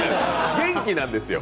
元気なんですよ。